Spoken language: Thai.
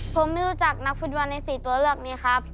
ผมไม่รู้จักนักฟุตบอลใน๔ตัวเลือกนี้ครับ